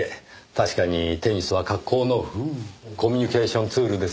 確かにテニスは格好のコミュニケーションツールですからねぇ。